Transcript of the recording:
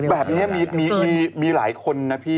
แบบนี้มีหลายคนนะพี่